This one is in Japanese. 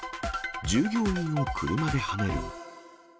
従業員を車ではねる。